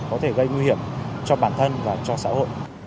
có thể gây nguy hiểm cho bản thân và cho xã hội